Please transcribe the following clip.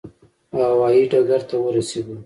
هوا یي ډګر ته ورسېدو.